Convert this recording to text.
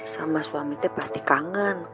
sama suamitnya pasti kangen